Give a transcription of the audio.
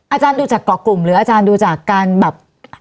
อาจารย์ดูจากเกาะกลุ่มหรืออาจารย์ดูจากการแบบ